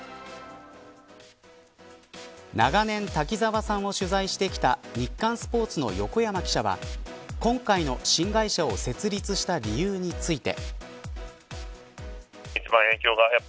長年、滝沢さんを取材してきた日刊スポーツの横山記者は今回の新会社を設立した理由について。